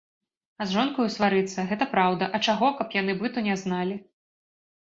А з жонкаю сварыцца, гэта праўда, а чаго, каб яны быту не зналі.